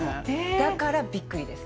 だからびっくりです。